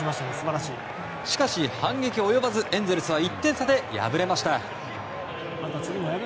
しかし、反撃が及ばずエンゼルスは１点差で敗れました。